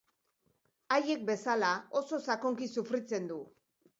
Haiek bezala, oso sakonki sufritzen du.